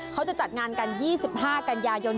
เขาจะจัดงานกัน๒๕กันยายน